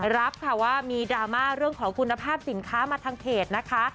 รับค่ะว่ามีดราม่าเรื่องของคุณภาพสินค้ามาทางเพจนะคะ